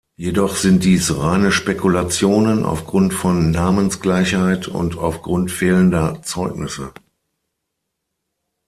Jedoch sind dies reine Spekulationen aufgrund von Namensgleichheit und aufgrund fehlender Zeugnisse.